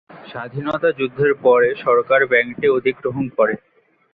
স্বাধীনতা যুদ্ধের পরে সরকার ব্যাংকটি অধিগ্রহণ করে।